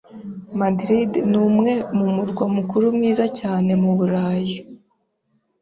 Madrid ni umwe mu murwa mukuru mwiza cyane mu Burayi.